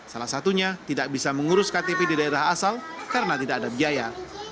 salah satunya tidak bisa mengurus ktp di daerah asal karena tidak ada biaya